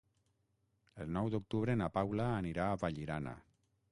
El nou d'octubre na Paula anirà a Vallirana.